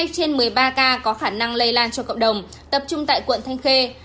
một mươi trên một mươi ba ca có khả năng lây lan cho cộng đồng tập trung tại quận thanh khê